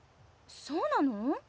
そうなの？